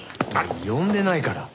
呼んでないから。